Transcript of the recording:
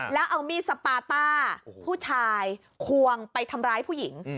แล้วเอามีดสปาต้าผู้ชายควงไปทำร้ายผู้หญิง